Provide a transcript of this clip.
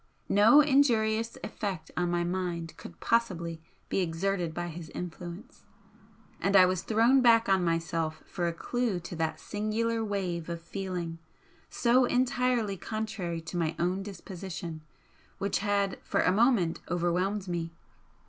No injurious effect on my mind could possibly be exerted by his influence and I was thrown back on myself for a clue to that singular wave of feeling, so entirely contrary to my own disposition, which had for a moment overwhelmed me.